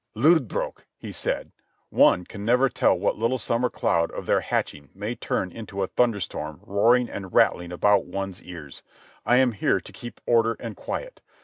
"Lodbrog," he said, "one can never tell what little summer cloud of their hatching may turn into a thunderstorm roaring and rattling about one's ears. I am here to keep order and quiet.